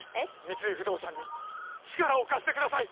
三井不動産に力を貸してください！